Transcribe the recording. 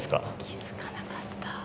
気づかなかった。